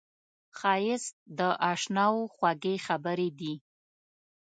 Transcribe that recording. ښایست د اشناوو خوږې خبرې دي